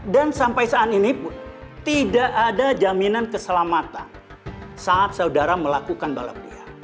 dan sampai saat ini pun tidak ada jaminan keselamatan saat saudara melakukan balap liar